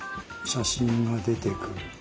写真が出てくる。